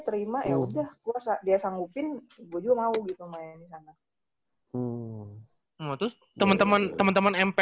terima ya udah gua dia sanggupin gua juga mau gitu mainin sama temen temen temen temen mp